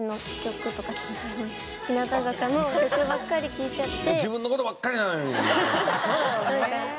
日向坂の曲ばっかり聴いちゃって。